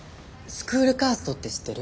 スクールカーストって知ってる？